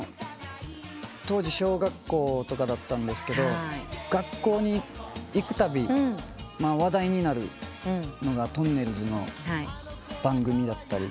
当時小学校とかだったんですけど学校に行くたび話題になるのがとんねるずの番組だったり。